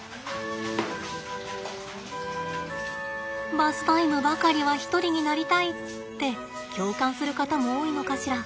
バスタイムばかりは一人になりたいって共感する方も多いのかしら。